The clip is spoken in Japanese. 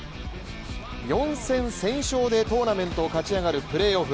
４戦先勝でトーナメントを勝ち上がるプレーオフ。